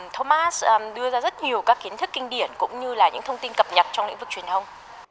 thomas đưa ra rất nhiều các kiến thức kinh điển cũng như là những thông tin cập nhật trong lĩnh vực truyền thông